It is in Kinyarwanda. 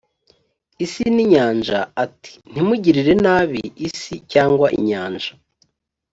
isi n inyanja ati ntimugirire nabi isi cyangwa inyanja